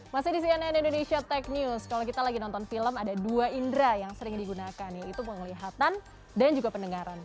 masih di cnn indonesia tech news kalau kita lagi nonton film ada dua indera yang sering digunakan yaitu penglihatan dan juga pendengaran